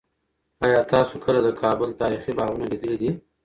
آیا تاسو کله د کابل تاریخي باغونه لیدلي دي؟